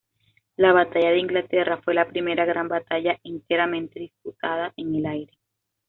La batalla de Inglaterra fue la primera gran batalla enteramente disputada en el aire.